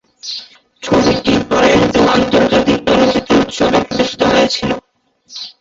ছবিটি টরন্টো আন্তর্জাতিক চলচ্চিত্র উৎসবে প্রদর্শিত হয়েছিল।